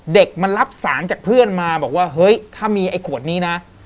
เด็กมันรับสารจากเพื่อนมาบอกว่าเฮ้ยถ้ามีไอ้ขวดนี้นะ